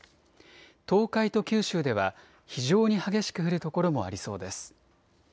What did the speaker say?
東海と九州では非常に激しく降る所もありそうです。